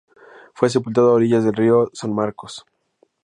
Fue sepultado a orillas del río San Marcos.